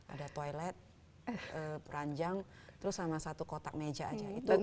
ada toilet ranjang terus sama satu kotak meja aja